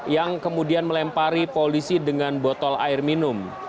yang kemudian melempari polisi dengan botol air minum